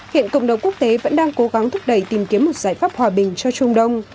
hiện cộng đồng quốc tế vẫn đang cố gắng thúc đẩy tìm kiếm một giải pháp hòa bình cho trung đông